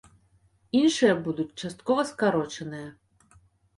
Іншыя будуць часткова скарочаныя.